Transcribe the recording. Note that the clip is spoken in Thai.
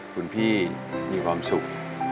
คุณพี่มีความสุข